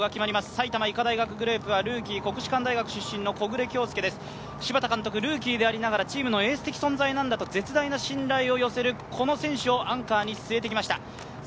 埼玉医科大学グループはルーキー、国士舘大学出身の木榑杏祐です、柴田監督、ルーキーでありながらチームのエース的存在なんだと絶大な信頼を寄せるこの選手をアンカーに置いてきました。